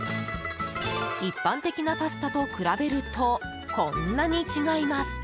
一般的なパスタと比べるとこんなに違います。